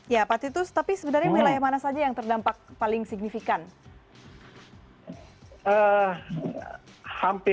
ya pak titus tapi sebenarnya wilayah mana saja yang terdampak paling signifikan